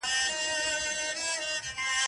بس که نیکه دا د جنګونو کیسې!